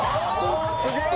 すげえ！